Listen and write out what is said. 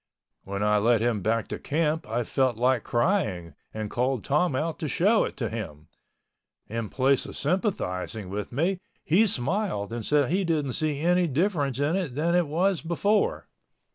When I led him back to camp I felt like crying and called Tom out to show it to him. In place of sympathizing with me, he smiled and said he didn't see any difference in it than it was before.